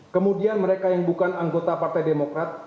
kemudian mereka yang bukan anggota partai demokrat